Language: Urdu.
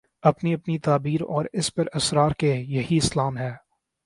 اپنی اپنی تعبیر اور اس پر اصرار کہ یہی اسلام ہے۔